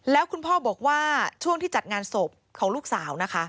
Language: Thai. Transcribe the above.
แล้วคุณพ่อบอกว่าช่วงที่จัดงานศพของลูกสาวนะคะ